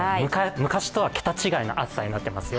昔とは桁違いの暑さとなっていますよ。